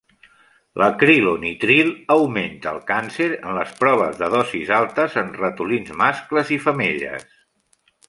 L'acrilonitril augmenta el càncer en les proves de dosis altes en ratolins mascles i femelles.